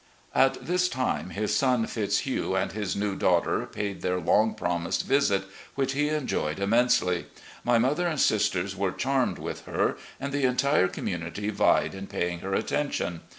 At this time his son Fitzhugh and his new daughter paid their long promised visit, which he enjoyed im mensely. My mother and sisters were charmed with her, and the entire community vied in pa3dng her attention.